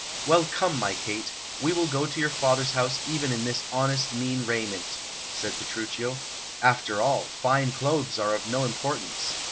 "Well, come, my Kate, we will go to your father's house even in this honest, mean raiment," said Petruchio. "After all, fine clothes are of no importance.